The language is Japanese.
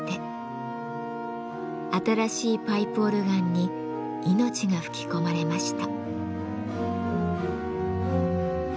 新しいパイプオルガンに命が吹き込まれました。